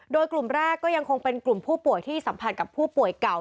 โดยกลุ่มแรกก็ยังคงเป็นกลุ่มผู้ป่วยที่สัมผัสกับผู้ป่วยเก่า